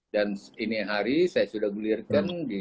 dan segini hari saya sudah gulirkan di